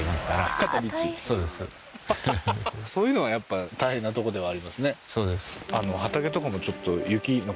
そういうのがやっぱ大変なとこではありますね多いんですか？